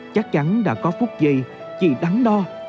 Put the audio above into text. chắc chắn đã có phút giây chị đắng đo